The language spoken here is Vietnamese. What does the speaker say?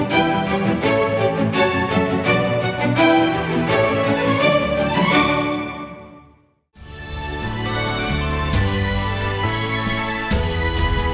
hẹn gặp lại